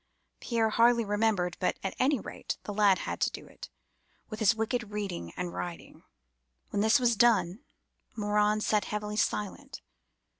Pierre hardly remembered, but, at any rate, the lad had to do it, with his wicked reading and writing. When this was done, Morin sat heavily silent.